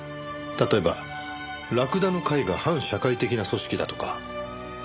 例えばらくだの会が反社会的な組織だとか？